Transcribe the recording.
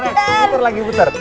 putar lagi putar